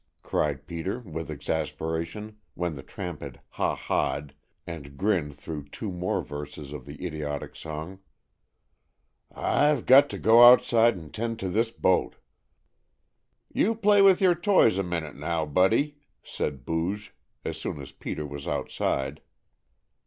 cried Peter with exasperation when the tramp had "ha, ha'd" and grinned through two more verses of the idiotic song; "I've got to go outside and tend to this boat!" "You play with your toys a minute, now, Buddy," said Booge, as soon as Peter was outside.